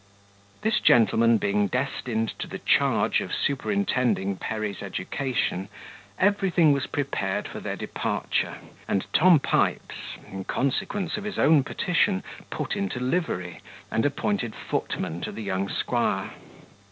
This gentleman being destined to the charge of superintending Perry's education, everything was prepared for their departure; and Tom Pipes, in consequence of his own petition, put into livery, and appointed footman to the young squire.